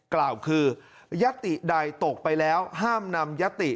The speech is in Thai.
กล่าวคือยัตติใดตกไปแล้วห้ามนำยติ